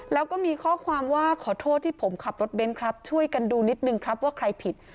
แล้วก็มีข้อความว่าขอโทษที่ผมขับรถเบนท์ครับช่วยกันดูนิดนึงครับว่าใครผิด